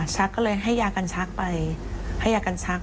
ก็เลยให้ยากันชักไปให้ยากันชัก